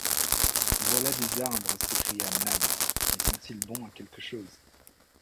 Voilà des arbres s’écria Nab, mais sont-ils bons à quelque chose